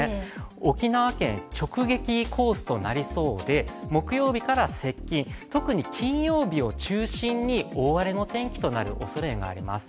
沖縄県直撃コースとなりそうで木曜日から接近、特に金曜日を中心に大荒れの天気となるおそれがあります。